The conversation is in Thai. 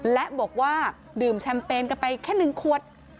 และบอกว่าดื่มแชมเปญกันไปแค่๑ขวด